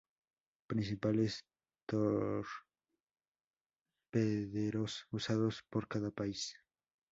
Principales torpederos usados por cada país.